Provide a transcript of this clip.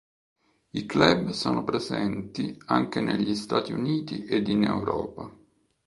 I club sono presenti anche negli Stati Uniti ed in Europa.